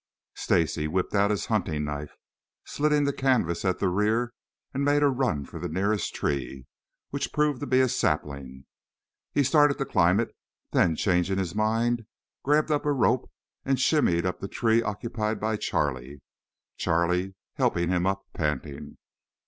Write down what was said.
Stacy whipped out his hunting knife, slitting the canvas at the rear, and made a run for the nearest tree, which proved to be a sapling. He started to climb it, then changing his mind grabbed up a rope and shinned up the tree occupied by Charlie. Charlie helped him up, panting.